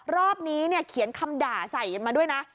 รอบนี้เขียนคำด่าใส่กันมาด้วยนะ